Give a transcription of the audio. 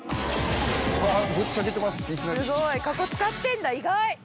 すごい加工使ってんだ意外！